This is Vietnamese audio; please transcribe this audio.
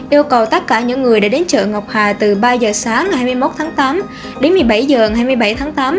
yêu cầu tất cả những người đã đến chợ ngọc hà từ ba giờ sáng ngày hai mươi một tháng tám đến một mươi bảy h ngày hai mươi bảy tháng tám